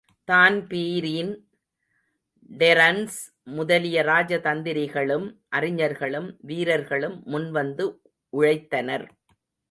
தான்பீரின், Terence முதலிய ராஜதந்திரிகளும் அறிஞர்களும் வீரர்களும் முன்வந்து உழைத்தனர்.